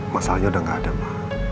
masalahnya udah gak ada ma